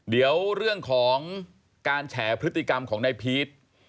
เดี๋ยวเรื่องของการแฉพฤติกรรมของนายพีช